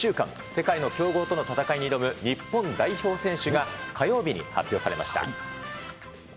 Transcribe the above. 世界の強豪との戦いに挑む日本代表選手が火曜日に発表されました。